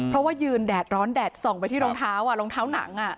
เพราะว่ายืนแดดร้อนแดดส่องไปที่รองเท้ารองเท้าหนัง